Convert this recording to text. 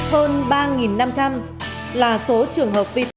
hơn ba năm trăm linh là số trường hợp